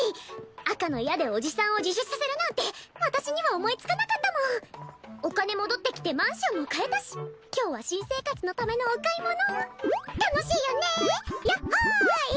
赤の矢で叔父さんを自首させるなんて私には思いつかなかったもんお金戻ってきてマンションも買えたし今日は新生活のためのお買い物楽しいよねやっほーい！